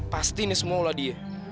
pasti ini semua ulah dia